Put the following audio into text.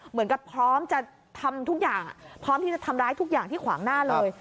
เหมือนกับพร้อมจะทำทุกอย่างพร้อมที่จะทำร้ายทุกอย่างที่ขวางหน้าเลย